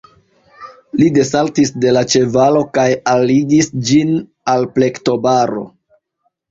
Li desaltis de la ĉevalo kaj alligis ĝin al plektobaro.